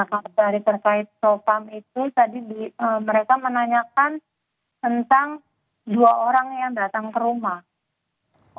kalau dari terkait so farm itu tadi mereka menanyakan tentang dua orang yang datang ke rumah